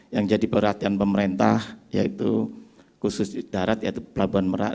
yang jadi perhatian pemerintah yaitu khusus darat yaitu pelabuhan merak